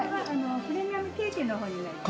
プレミアムケーキの方になります。